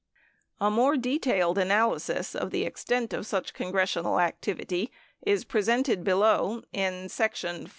A more detailed analysis of the extent of such congressional activity is presented below in section IV.